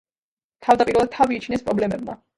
თავდაპირველად თავი იჩინეს პრობლემებმა.